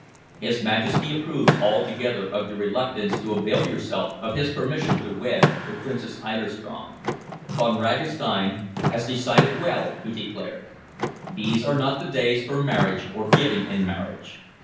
His Majesty approves altogether of your reluctance to avail yourself of his permission to wed the Princess Eiderstrom. 'Von Ragastein has decided well,' he declared. 'These are not the days for marriage or giving in marriage.